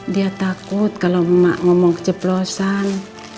dia takut kalau emak ngomong keceplosan